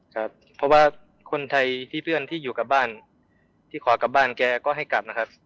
ครับเพราะว่าคนไทยที่เพื่อนที่อยู่กับบ้านที่ขอกลับบ้านแกก็ให้กลับนะครับ